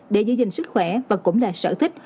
để giữ gìn sức khỏe và cũng là sở thích